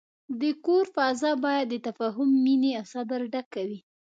د کور فضا باید د تفاهم، مینې، او صبر ډکه وي.